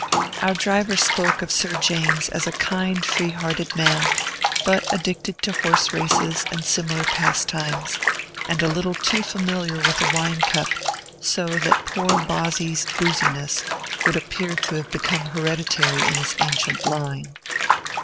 Our driver spoke of Sir James as a kind, free hearted man, but addicted to horse races and similar pastimes, and a little too familiar with the wine cup; so that poor Bozzy's booziness would appear to have become hereditary in his ancient line.